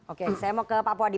oke saya mau ke pak puadi